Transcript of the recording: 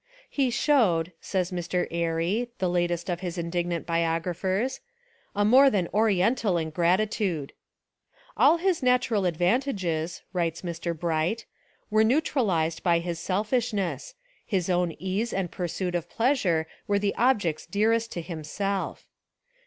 "He shewed," says Mr. Airy, the latest of his indignant biographers, "a more than oriental ingratitude." "All his natural advantages," writes Mr. Bright, "were neu tralized by his selfishness: his own ease and pursuit of pleasure were the objects dearest to himself."